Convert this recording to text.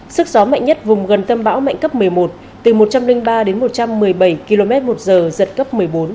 sức gió mạnh nhất vùng gần tâm bão mạnh cấp một mươi một từ một trăm linh ba đến một trăm một mươi bảy km một giờ giật cấp một mươi bốn